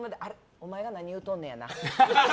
お前が何言うとんねやなって。